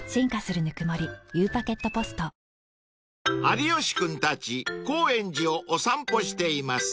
［有吉君たち高円寺をお散歩しています］